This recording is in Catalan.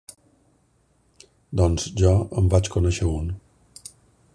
Doncs jo en vaig conèixer un.